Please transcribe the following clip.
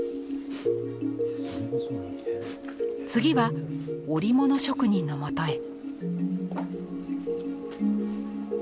次は織物職人のもとへ。